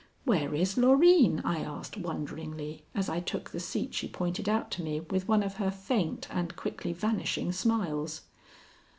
"Where is Loreen?" I asked wonderingly, as I took the seat she pointed out to me with one of her faint and quickly vanishing smiles.